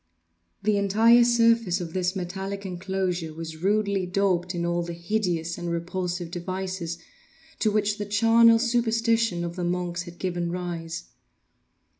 The entire surface of this metallic enclosure was rudely daubed in all the hideous and repulsive devices to which the charnel superstition of the monks has given rise.